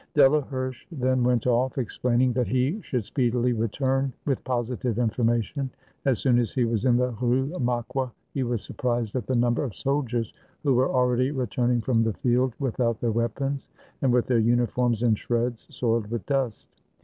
] Delaherche then went oflf, explaining that he should speedily return wath positive information. As soon as he was in the Rue Maqua he was surprised at the number of soldiers who were already returning from the field wdthout their weapons, and with their uniforms in shreds, soiled with dust.